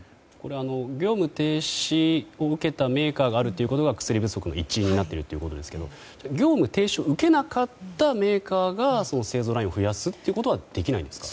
業務停止を受けたメーカーがあるということが薬不足の一因になっているということですけど業務停止を受けなかったメーカーが製造ラインを増やすということはできないんですか。